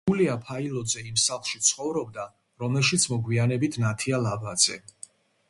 იულია ფაილოძე იმ სახლში ცხოვრობდა, რომელშიც მოგვიანებით ნათია ლაბაძე.